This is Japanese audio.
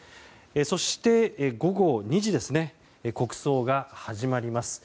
そして、午後２時国葬が始まります。